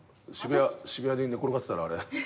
渋谷に寝転がってたら。